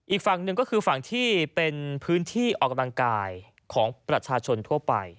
อีกฝั่งหนึ่งก็คือฝั่งที่เป็นพื้นที่ออกกำลังกายของประชาชนทั่วไป